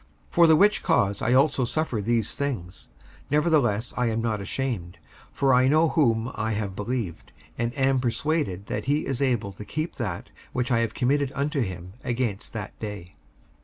55:001:012 For the which cause I also suffer these things: nevertheless I am not ashamed: for I know whom I have believed, and am persuaded that he is able to keep that which I have committed unto him against that day.